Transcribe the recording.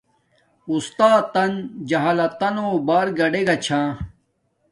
اُستاتن جہالتو بار گادیگا چھا